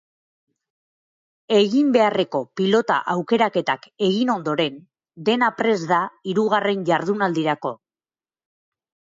Egin beharreko pilota aukeraketak egin ondoren, dena prest da hirugarren jardunaldirako.